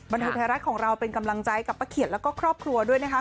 บันเทิงไทยรัฐของเราเป็นกำลังใจกับป้าเขียดแล้วก็ครอบครัวด้วยนะคะ